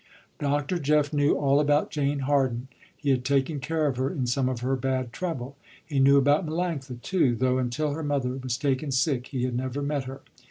Dr. Jeff knew all about Jane Harden. He had taken care of her in some of her bad trouble. He knew about Melanctha too, though until her mother was taken sick he had never met her.